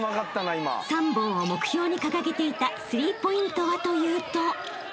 ［３本を目標に掲げていたスリーポイントはというと］